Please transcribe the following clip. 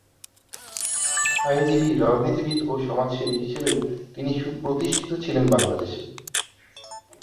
আইনজীবী, রাজনীতিবিদ ও সমাজসেবী হিসেবেও তিনি সুপ্রতিষ্ঠিত ছিলেন বাংলাদেশে।